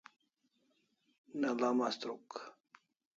Ne'la mastruk